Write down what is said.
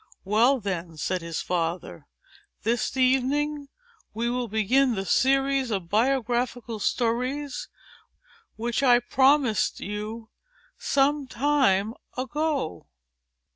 "Well then," said his father, "this evening we will begin the series of Biographical Stories, which I promised you some time ago."